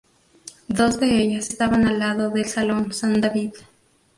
Dos de ellas estaban al lado del Salón San David.